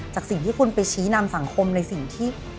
สิ่งที่คุณไปชี้นำสังคมในสิ่งที่